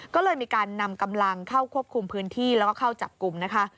ก็เลยมีการนำกำลังเข้าควบคุมพื้นที่แล้วก็เข้าจับกลุ่มนะคะ